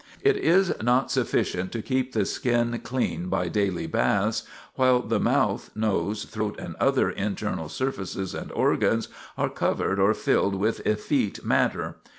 It is not sufficient to keep the skin clean by daily baths, while the mouth, nose, throat, and other internal surfaces and organs are covered or filled with effete matter.